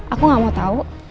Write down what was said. aku gak mau tau